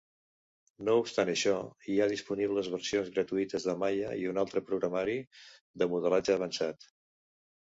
No obstant això, hi ha disponibles versions gratuïtes de Maya i un altre programari de modelatge avançat.